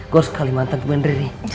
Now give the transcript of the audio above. gue harus ke kalimantan kemendri nih